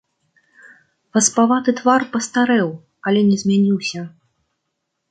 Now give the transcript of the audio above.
Васпаваты твар пастарэў, але не змяніўся.